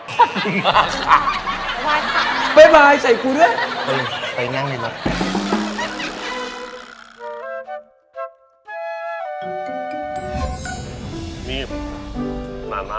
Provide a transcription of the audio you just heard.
ขอบคุณมากค่ะ